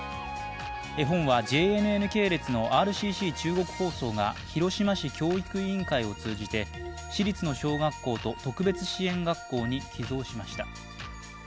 絵本はＪＮＮ系列のＲＣＣ中国放送が広島市教育委員会を通じて市立の小学校と特別支援学校に寄贈しました。